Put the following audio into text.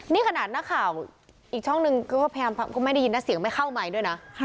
นี่ขนาดนักข่าวอีกช่องนึงก็พยายามก็ไม่ได้ยินนะเสียงไม่เข้าไมค์ด้วยนะ